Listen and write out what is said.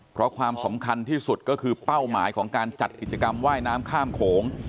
เพราะความสำคัญที่สุดก็คือเป้าหมายของการจัดกิจกรรมว่ายน้ำข้ามโขง